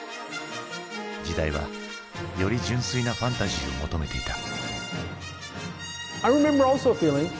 時代はより純粋なファンタジーを求めていた。